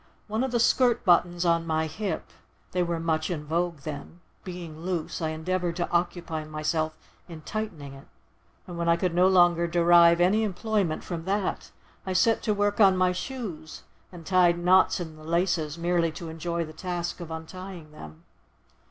One of the skirt buttons on my hip—they were much in vogue then—being loose, I endeavoured to occupy myself in tightening it, and when I could no longer derive any employment from that, I set to work on my shoes, and tied knots in the laces, merely to enjoy the task of untying them.